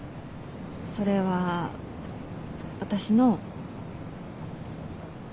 それは私の。